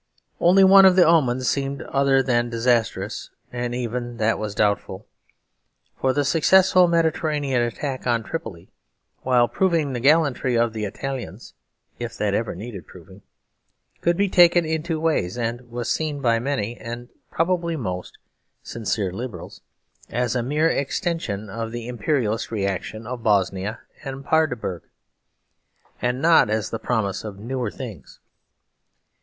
Only one of the omens seemed other than disastrous; and even that was doubtful. For the successful Mediterranean attack on Tripoli while proving the gallantry of the Italians (if that ever needed proving) could be taken in two ways, and was seen by many, and probably most, sincere liberals as a mere extension of the Imperialist reaction of Bosnia and Paardeberg, and not as the promise of newer things.